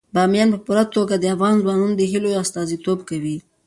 بامیان په پوره توګه د افغان ځوانانو د هیلو استازیتوب کوي.